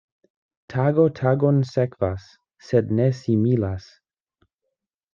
Tago tagon sekvas, sed ne similas.